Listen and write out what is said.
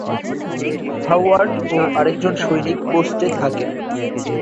Howard ও আরেকজন সৈনিক পোস্টে থাকে।